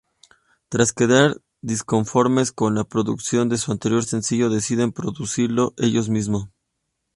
Tras quedar disconformes con la producción de su anterior sencillo, deciden producirlo ellos mismos.